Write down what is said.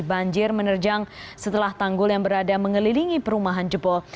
banjir menerjang setelah tanggul yang berada mengelilingi perumahan jebol